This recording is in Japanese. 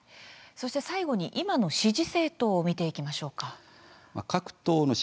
そして最後に今の支持政党を見ていきましょう。